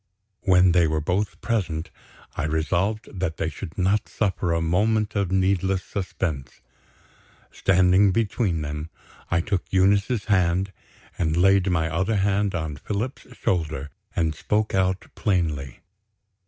When they were both present, I resolved that they should not suffer a moment of needless suspense. Standing between them, I took Eunice's hand, and laid my other hand on Philip's shoulder, and spoke out plainly.